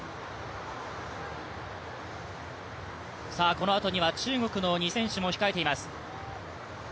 このあとには、中国の２選手も控えています。